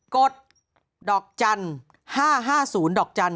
กดดอกจาน๕๕๐ดอกจาน๕